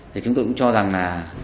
thì chúng tôi cũng cho rằng là